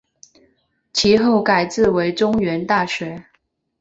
其后改制为中原大学。